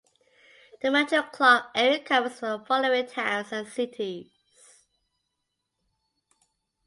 The Metro Clark area covers the following towns and cities.